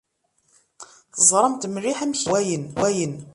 Teẓṛamt mliḥ amek i yeḍṛa wayen.